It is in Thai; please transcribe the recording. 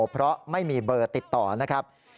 เพราะไม่มีเบอร์ติดต่อนะครับ